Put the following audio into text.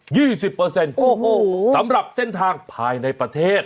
โอ้โหสำหรับเส้นทางภายในประเทศ